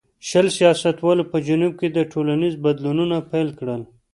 شل سیاستوالو په جنوب کې ټولنیز بدلونونه پیل کړل.